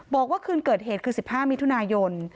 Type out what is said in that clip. บอกว่าคืนเกิดเหตุคือ๑๕มิถุนายน